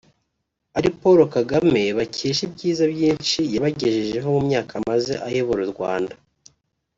ari Paul Kagame bakesha ibyiza byinshi yabagejejeho mu myaka amaze ayobora u Rwanda